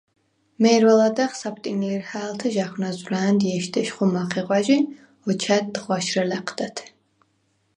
მე̄რვა ლადეღ საფტინ ლირჰა̄̈ლთე ჟ’ა̈ხვნა̈ზვრა̄̈ნდ ჲეშდეშხუ მახეღვა̈ჟ ი ოჩა̈დდ ღვაშრე ლა̈ჴდათე.